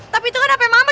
tapi itu kan hape mama